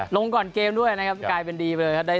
ลงก่อนเกมด้วยนะครับกลายเป็นดีไปเลยครับ